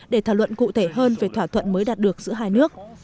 để thảo luận cụ thể hơn về thỏa thuận mới đạt được giữa hai nước